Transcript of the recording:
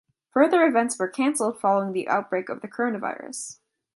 Further events were cancelled following the outbreak of the coronavirus.